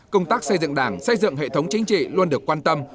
công tác xây dựng đảng xây dựng hệ thống chính trị luôn được quan tâm